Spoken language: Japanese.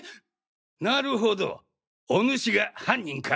なるほどおぬしが犯人か。